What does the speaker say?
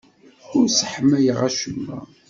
Ur sseḥmayeɣ acemma.